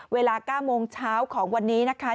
เวลา๙โมงเช้าของวันนี้นะคะ